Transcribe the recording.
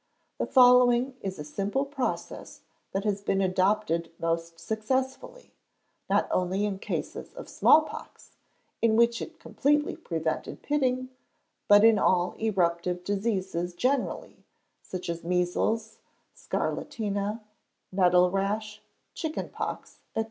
The following is a simple process that has been adopted most successfully, not only in cases of small pox, in which it completely prevented pitting, but in all eruptive diseases generally, such as measles, scarlatina, nettlerash, chicken pox, &c.